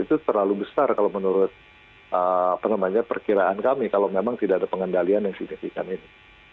itu terlalu besar kalau menurut perkiraan kami kalau memang tidak ada pengendalian yang signifikan ini